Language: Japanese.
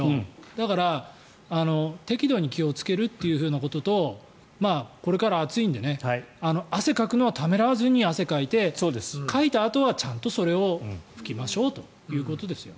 だから適度に気をつけるということとこれから暑いので、汗かくのはためらわずに汗をかいてかいたあとはちゃんとそれを拭きましょうということですよね。